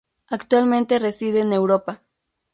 Actualmente reside en Europa.